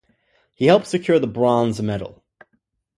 He helped secure the bronze medal.